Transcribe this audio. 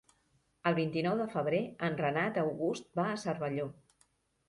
El vint-i-nou de febrer en Renat August va a Cervelló.